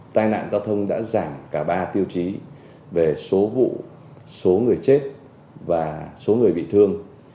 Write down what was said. tai nạn giao thông đã giảm cả ba tiêu chí về số vụ số người chết và số người bị thương